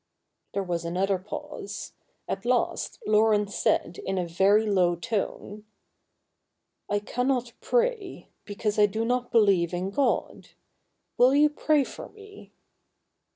There was another pause. At last Laurence said in a very low tone :' I cannot pray, because I do not believe in God. Will you pray for me